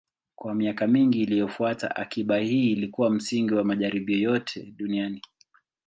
Kwa miaka mingi iliyofuata, akiba hii ilikuwa msingi wa majaribio yote duniani.